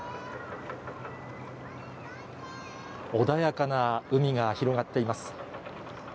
穏やかな海が広がっています。